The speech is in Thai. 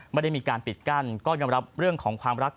ไม่ได้มีการปิดกั้นก็ยอมรับเรื่องของความรัก